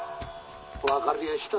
分かりやした」。